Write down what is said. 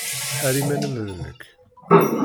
Err iman-nnem d nekk.